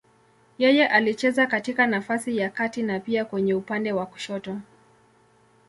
Yeye alicheza katika nafasi ya kati na pia kwenye upande wa kushoto.